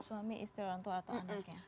suami istri orang tua atau anaknya